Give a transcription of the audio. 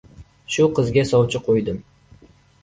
Shu qizga sovchi qo‘ydim!